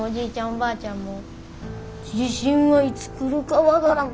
おばあちゃんも「地震はいつ来るか分からん」